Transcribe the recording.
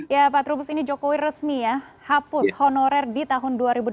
ya pak trubus ini jokowi resmi ya hapus honorer di tahun dua ribu dua puluh